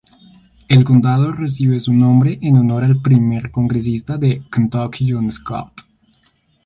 El condado recibe su nombre en honor al Primer Congresista de Kentucky John Scott.